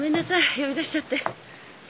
呼び出しちゃって。